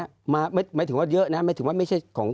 หมายถึงว่าเยอะนะหมายถึงว่าไม่ใช่ของ